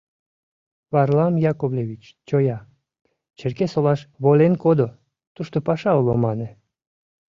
Варлам Яковлевич чоя, Черкесолаш волен кодо, «тушто паша уло» мане.